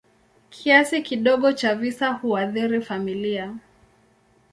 Kiasi kidogo cha visa huathiri familia.